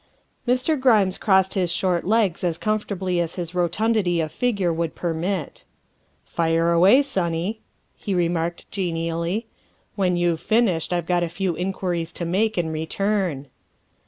Mr. Grimes crossed his short legs as comfortably as his rotundity of figure would permit. " Fire away, sonny," he remarked genially. " When you've finished I've got a few inquiries to make in return.